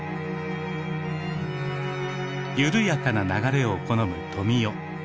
緩やかな流れを好むトミヨ。